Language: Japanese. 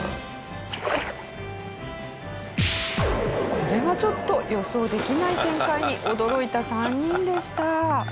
これはちょっと予想できない展開に驚いた３人でした。